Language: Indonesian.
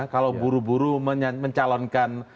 kalau buru buru mencalonkan